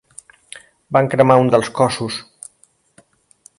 Van cremar un dels cossos.